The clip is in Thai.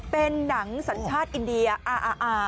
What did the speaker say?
เป็นหนังสัญชาติอินเดียอา